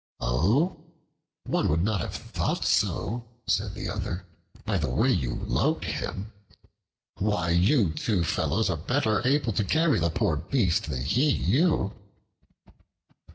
"O, one would not have thought so," said the other, "by the way you load him. Why, you two fellows are better able to carry the poor beast than he you."